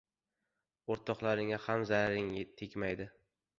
oʻrtoqlaringga ham zararing tegmaydi.